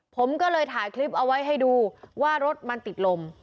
ผมก็เลยถ่ายคลิปเอาไว้ให้ดูว่ารถมันติดลม